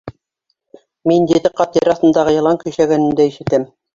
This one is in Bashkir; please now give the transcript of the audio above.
— Мин ете ҡат ер аҫтындағы йылан көйшәгәнен дә ишетәм.